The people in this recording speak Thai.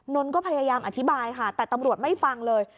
นนทก็พยายามอธิบายค่ะแต่ตำรวจไม่ฟังเลย